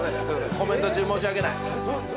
コメント中申し訳ない。